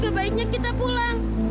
sebaiknya kita pula